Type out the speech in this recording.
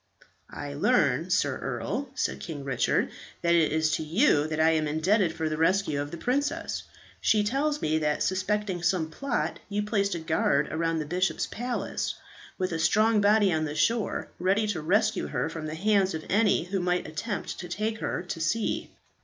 "I learn, Sir Earl," said King Richard, "that it is to you that I am indebted for the rescue of the princess. She tells me, that suspecting some plot, you placed a guard around the bishop's palace, with a strong body on the shore ready to rescue her from the hands of any who might attempt to take her to sea."